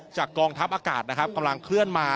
กองทัพอากาศนะครับกำลังเคลื่อนมา